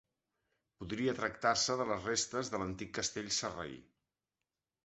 Podria tractar-se de les restes de l'antic castell sarraí.